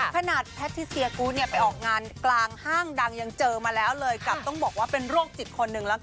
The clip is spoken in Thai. แพทิเซียกูธเนี่ยไปออกงานกลางห้างดังยังเจอมาแล้วเลยกับต้องบอกว่าเป็นโรคจิตคนหนึ่งแล้วกัน